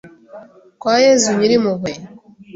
Kwa Yezu Nyir’impuhwe”